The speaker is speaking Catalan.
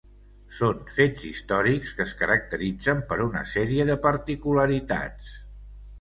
Són fets històrics que es caracteritzen per una sèrie de particularitats.